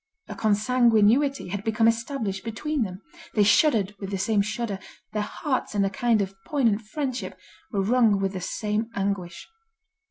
A consanguinity had become established between them. They shuddered with the same shudder; their hearts in a kind of poignant friendship, were wrung with the same anguish.